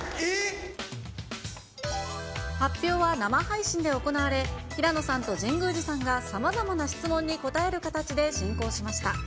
発表は生配信で行われ、平野さんと神宮寺さんがさまざまな質問に答える形で進行しました。